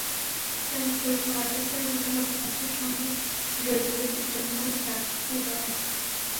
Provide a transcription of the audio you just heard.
তারপর পরীক্ষা বাতিল করে প্রশ্নপত্র ফাঁসের সঙ্গে জড়িতদের দৃষ্টান্তমূলক শাস্তি দেওয়া হোক।